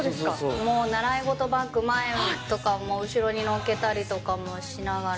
もう習い事バッグ前とか後ろにのっけたりとかもしながら。